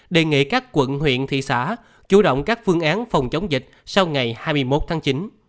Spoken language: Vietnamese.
đề nghị các quận huyện thị xã chủ động các phương án phòng chống dịch sau ngày hai mươi một tháng chín